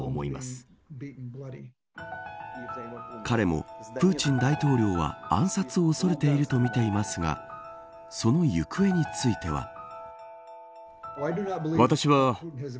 彼もプーチン大統領は暗殺を恐れているとみていますがその行方については。